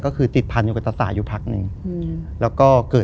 คือก่อนอื่นพี่แจ็คผมได้ตั้งชื่อเอาไว้ชื่อเอาไว้ชื่อ